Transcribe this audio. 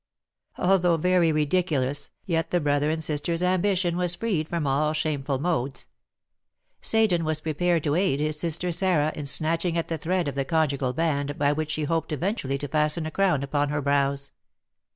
Although very ridiculous, yet the brother and sister's ambition was freed from all shameful modes; Seyton was prepared to aid his sister Sarah in snatching at the thread of the conjugal band by which she hoped eventually to fasten a crown upon her brows.